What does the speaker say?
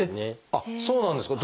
あっそうなんですか？